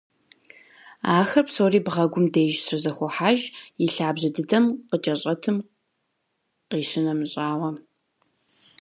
Ахэр псори бгъэгум деж щызэхохьэж, и лъабжьэ дыдэм къыкӏэщӏэтым къищынэмыщӏауэ.